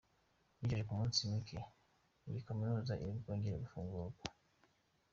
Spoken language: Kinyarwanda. Yijeje ko mu minsi mike iyi kaminuza iri bwongere gufungurwa.